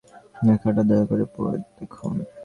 লেখাটা দয়া করে পড়ে দেখুন।